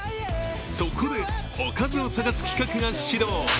そこで、おかずを探す企画が始動。